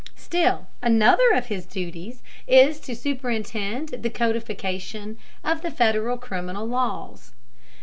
Still another of his duties is to superintend the codification of the Federal criminal laws.